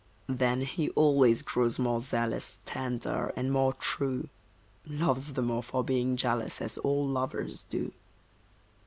Then he always grows more zealous, Tender, and more true; Loves the more for being jealous, As all lovers do.